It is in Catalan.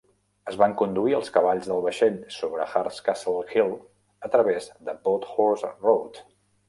Es van conduir els cavalls del vaixell sobre Harecastle Hill a través de "Boathorse Road".